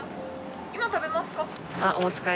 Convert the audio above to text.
今、食べますか？